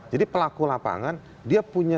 jadi pelaku lapangan dia punya